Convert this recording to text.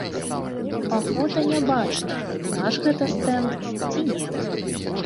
Па фота не бачна, наш гэта стэнд ці не.